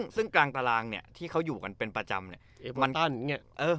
ซึ่งกลางตารางเนี่ยที่เขาอยู่กันเป็นประจำเนี่ย